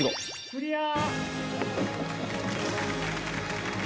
クリア！